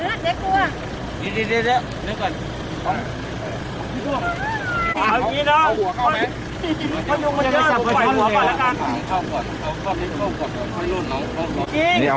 หัวเหลื่อมหัวเหลื่อม